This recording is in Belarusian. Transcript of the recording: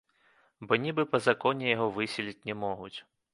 Бо нібы па законе яго выселіць не могуць.